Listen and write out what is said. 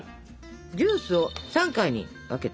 ジュースを３回に分けて。